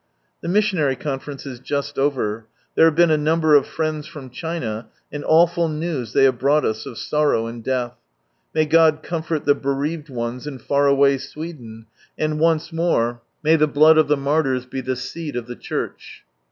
The Missionary Conference is just over. There have been a number of friends from China, and awful news they have brought us, of sorrow and death. May God comfort the bereaved ones in far away Sweden, and once more, may the blood of the martyrs be the seed of the Church